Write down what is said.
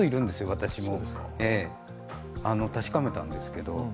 私も確かめたんですけど。